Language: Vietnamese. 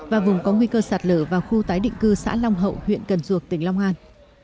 và vùng có nguy cơ sạt lở vào khu tái định cư xã long hậu huyện cần duộc tỉnh long an